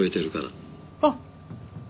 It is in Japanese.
あっ。